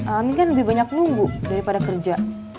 amin kan lebih banyak nunggu daripada kerja